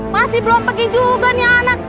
masih belum pergi juga nih anak